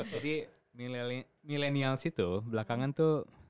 jadi milenial situ belakangan tuh